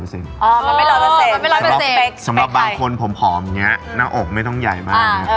สำหรับบางคนผอมอย่างนี้หน้าอกไม่ต้องใหญ่มากนะ